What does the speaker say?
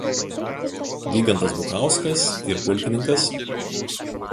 Vygantas Bukauskas ir plk.